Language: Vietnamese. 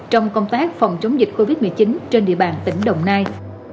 trong công tác phòng chống dịch covid một mươi chín trên địa bàn tỉnh đồng nai